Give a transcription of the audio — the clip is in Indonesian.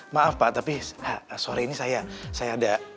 maaf pak tapi sore ini saya ada acara penting untuk anak saya